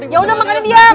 ya udah makanya diam